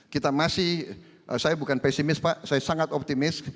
kita masih saya bukan pesimis pak saya sangat optimis